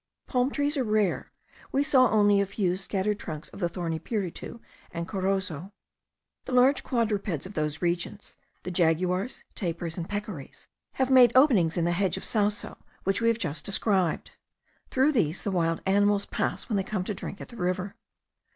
Palm trees are rare; we saw only a few scattered trunks of the thorny piritu and corozo. The large quadrupeds of those regions, the jaguars, tapirs, and peccaries, have made openings in the hedge of sauso which we have just described. Through these the wild animals pass when they come to drink at the river.